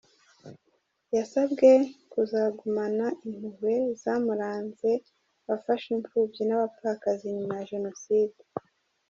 Yasabwe kuzagumana impuhwe zamuranze afasha imfubyi n’abapfakazi nyuma ya Jenoside.